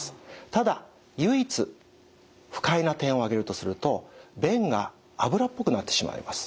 ただ唯一不快な点を挙げるとすると便が脂っぽくなってしまいます。